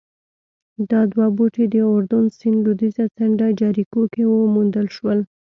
دا دوه بوټي د اردن سیند لوېدیځه څنډه جریکو کې وموندل شول